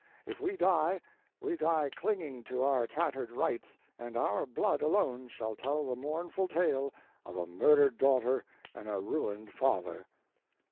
If we die, we die clinging to our tattered rights, and our blood alone shall tell the mournful tale of a murdered daughter and a ruined father."